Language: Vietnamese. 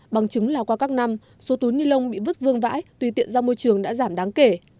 bằng chứng là qua các năm số túi ni lông bị vứt vương vãi tùy tiện ra môi trường đã giảm đáng kể